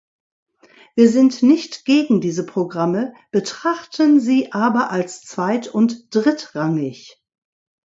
Wir sind nicht gegen diese Programme, betrachten sie aber als zweit- und drittrangig.